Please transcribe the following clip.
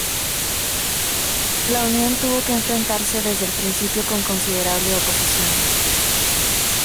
La unión tuvo que enfrentarse desde el principio con considerable oposición.